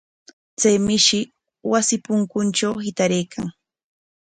Chay mishi wasi punkutraw hitaraykan.